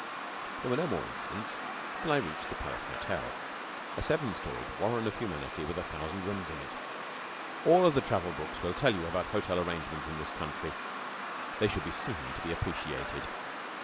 There were no more incidents till I reached the Palace Hotel, a seven storied warren of humanity with a thousand rooms in it. All the travel books will tell you about hotel arrangements in this country. They should be seen to be appreciated.